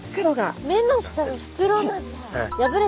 目の下の袋なんだ。